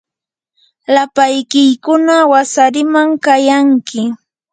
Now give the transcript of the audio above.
lapaykiykuna wasariman kayanki.